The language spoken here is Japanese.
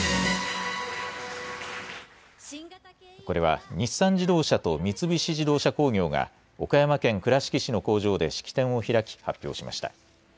これは日産自動車と三菱自動車工業が、岡山県倉敷市の工場で式典を開き、発表しました。